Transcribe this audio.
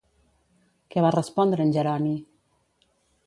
Què va respondre en Jeroni?